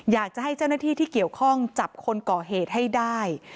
อยากจะให้เจ้าหน้าที่ที่เกี่ยวข้องจับคนก่อเหตุให้ได้